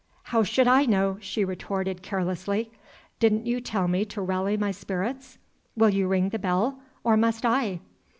"How should I know?" she retorted, carelessly. "Didn't you tell me to rally my spirits? Will you ring the bell, or must I?"